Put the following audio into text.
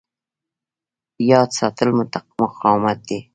یاد ساتل مقاومت دی.